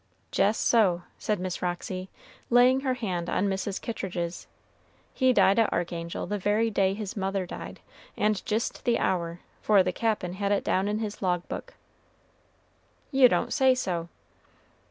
"Jes' so," said Miss Roxy, laying her hand on Mrs. Kittridge's; "he died at Archangel the very day his mother died, and jist the hour, for the Cap'n had it down in his log book." "You don't say so!"